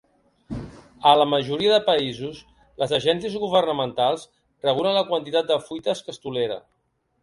A la majoria de països, les agències governamentals regulen la quantitat de fuites que es tolera.